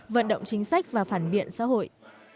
vận động chính sách và phản biện xã hội